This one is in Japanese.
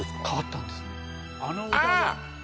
変わったんですあの歌があっ！